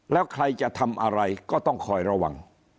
แล้วใครจะทำอะไรก็ต้องคอยระวัง